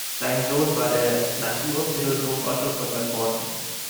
Sein Sohn war der Naturphilosoph Otto von der Pfordten.